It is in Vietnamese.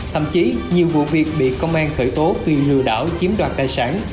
thậm chí nhiều vụ việc bị công an khởi tố vì lừa đảo chiếm đoạt tài sản